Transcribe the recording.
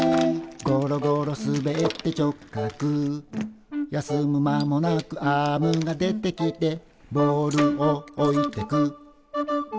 「ごろごろすべって直角」「休む間もなくアームが出てきて」「ボールをおいてく」